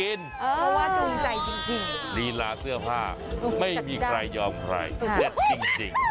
เพราะว่าจูงใจจริงลีลาเสื้อผ้าไม่มีใครยอมใครเด็ดจริง